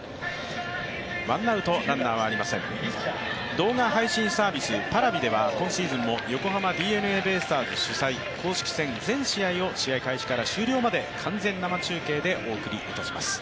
動画配信サービスＰａｒａｖｉでは今シーズンも、横浜ＤｅＮＡベイスターズ主催公式戦全試合を試合開始から終了まで完全生中継でお送りいたします。